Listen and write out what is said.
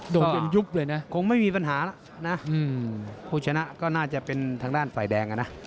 โดนจนยุบเลยนะคงไม่มีปัญหาแล้วนะผู้ชนะก็น่าจะเป็นทางด้านฝ่ายแดงอ่ะนะ